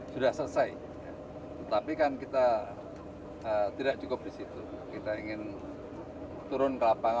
sudah selesai tapi kan kita tidak cukup disitu kita ingin turun